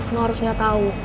lo harusnya tau